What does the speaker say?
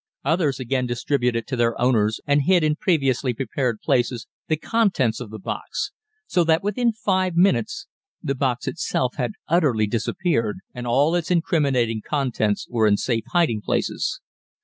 Others again distributed to their owners or hid in previously prepared places the contents of the box, so that within five minutes the box itself had utterly disappeared and all its incriminating contents were in safe hiding places.